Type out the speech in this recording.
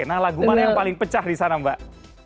nah lagu mana yang paling pecah di sana mbak